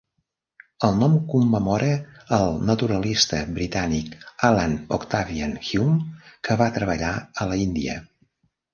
El nom commemora al naturalista britànic Allan Octavian Hume que va treballar a l'Índia.